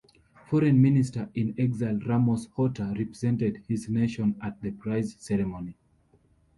Foreign-minister-in-exile Ramos-Horta represented his nation at the prize ceremony.